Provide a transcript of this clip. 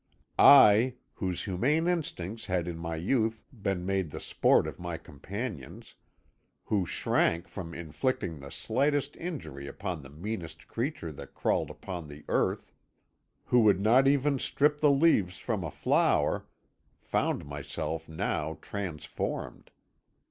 I, whose humane instincts had in my youth been made the sport of my companions, who shrank from inflicting the slightest injury upon the meanest creature that crawled upon the earth, who would not even strip the leaves from a flower, found myself now transformed.